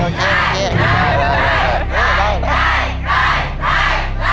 ได้หรือไม่ได้